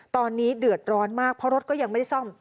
ตอนนี้เดือดร้อนมากเพราะรถก็ยังไม่ได้ซ่อม